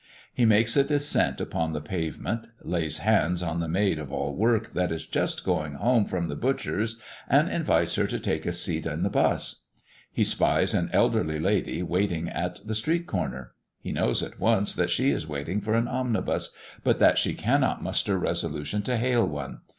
He makes a descent upon the pavement, lays hands on the maid of all work that is just going home from the butcher's, and invites her to take a seat in the "bus." He spies an elderly lady waiting at the street corner; he knows at once that she is waiting for an omnibus, but that she cannot muster resolution to hail one.